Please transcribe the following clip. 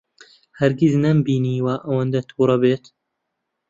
هەرگیز نەمبینیوە ئەوەندە تووڕە بێت.